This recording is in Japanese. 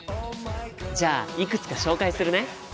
じゃあいくつか紹介するね。